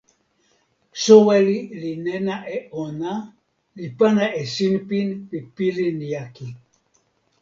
soweli li nena e ona, li pana e sinpin pi pilin jaki.